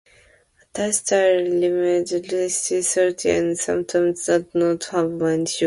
A Thai-styled limeade tastes salty, and sometimes does not have any sugar.